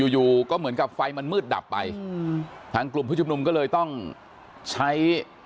อยู่อยู่ก็เหมือนกับไฟมันมืดดับไปอืมทางกลุ่มผู้ชุมนุมก็เลยต้องใช้